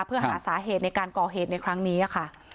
เพื่อหาสาเหตุในการก่อเหตุในครั้งนี้ค่ะ